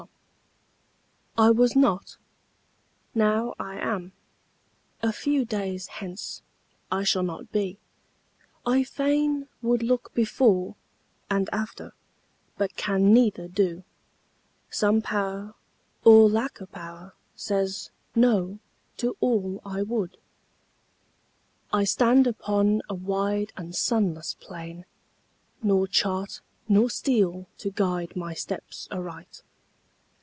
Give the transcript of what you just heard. THE MYSTERY I was not; now I am a few days hence I shall not be; I fain would look before And after, but can neither do; some Power Or lack of power says "no" to all I would. I stand upon a wide and sunless plain, Nor chart nor steel to guide my steps aright.